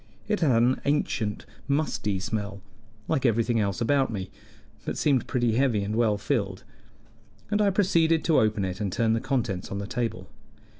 It had an ancient, musty smell, like everything else about me, but seemed pretty heavy and well filled, and I proceeded to open it and turn the contents on the table.